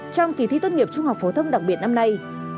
trong kỳ thi tốt nghiệp trung học phổ thông đặc biệt năm nay